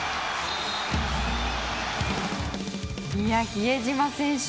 比江島選手